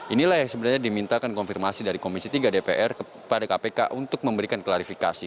inilah yang sebenarnya dimintakan konfirmasi dari komisi tiga dpr kepada kpk untuk memberikan klarifikasi